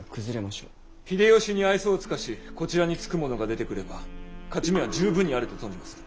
秀吉に愛想を尽かしこちらにつく者が出てくれば勝ち目は十分にあると存じまする。